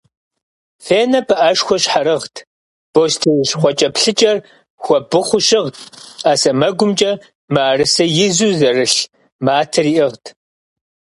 Фенэ пыӏэшхуэ щхьэрыгът, бостей щхъуэкӏэплъыкӏэр хуэбыхъуу щыгът, ӏэ сэмэгумкӏэ мыӏрысэ изу зэрлъ матэр иӏыгът.